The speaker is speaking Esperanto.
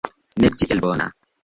Ne tiel bona.